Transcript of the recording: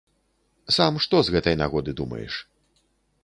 Сам што з гэтай нагоды думаеш?